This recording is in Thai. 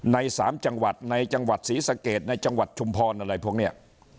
ใน๓จังหวัดในจังหวัดศรีสะเกดในจังหวัดชุมพรอะไรพวกนี้